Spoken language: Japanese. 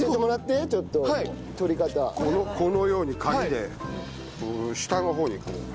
このようにカギで下の方にこう。